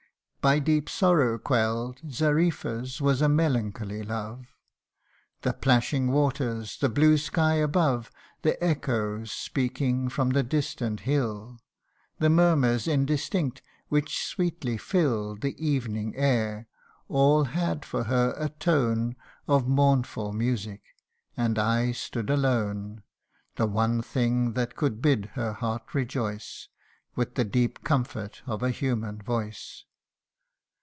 By deep sorrow quell'd, Xarifa's was a melancholy love. The plashing waters, the blue sky above, The echo speaking from the distant hill, The murmurs indistinct which sweetly fill The evening air all had for her a tone Of mournful music and I stood alone The one thing that could bid her heart rejoice With the deep comfort of a human voice. 110 THE UNDYING ONE.